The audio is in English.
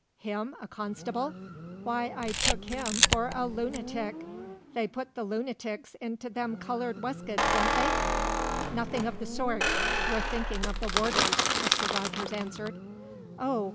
"Him a constable? Why, I took him for a loonatic! They put the loonatics into them coloured weskits, don't they?" "Nothing of the sort. You're thinking of the warders," Mr. Rogers answered. "Oh?